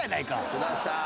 「津田さん。